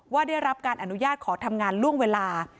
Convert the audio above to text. ได้รับการอนุญาตขอทำงานล่วงเวลา